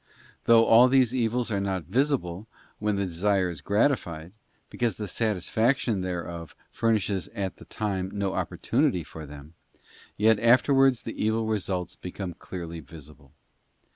Though all these evils are not visible then when the desire is gratified, because the satisfaction thereof furnishes at the time no opportunity for them, yet afterwards the evil results become clearly visible.